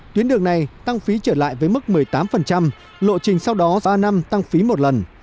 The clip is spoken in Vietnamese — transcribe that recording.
tuyến đường này tăng phí trở lại với mức một mươi tám lộ trình sau đó ba năm tăng phí một lần